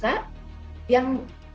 yang bisa menjaga kemampuan